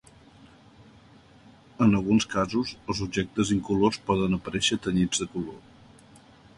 En alguns casos, els objectes incolors poden aparèixer tenyits de color.